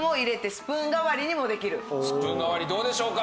スプーン代わりどうでしょうか？